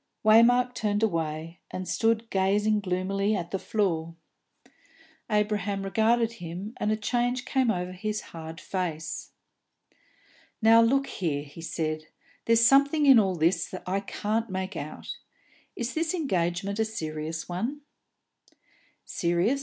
Waymark turned away, and stood gazing gloomily at the floor. Abraham regarded him, and a change came over his hard face. "Now, look here," he said, "there's something in all this I can't make out. Is this engagement a serious one?" "Serious?"